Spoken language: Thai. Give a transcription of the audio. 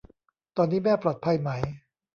ตอนนี้แม่ปลอดภัยไหม ?